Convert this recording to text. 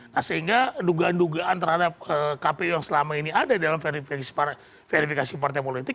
nah sehingga dugaan dugaan terhadap kpu yang selama ini ada dalam verifikasi partai politik